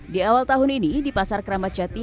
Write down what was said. di awal tahun ini di pasar keramat jati